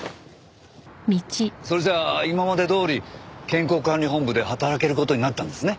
それじゃあ今までどおり健康管理本部で働ける事になったんですね。